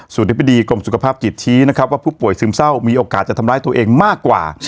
ส่วนอธิบดีกรมสุขภาพจิตชี้นะครับว่าผู้ป่วยซึมเศร้ามีโอกาสจะทำร้ายตัวเองมากกว่า